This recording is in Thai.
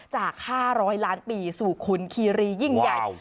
จากค่าร้อยล้านปีสู่คุณคีรียิ่งใหญ่